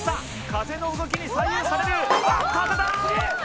風の動きに左右される。